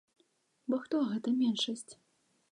Бо хто гэта меншасць?